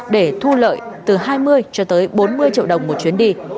để thu lợi từ hai mươi cho tới bốn mươi triệu đồng một chuyến đi